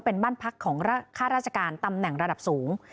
เป็นบ้านพักของค่าราชการตำแหน่งระดับสูง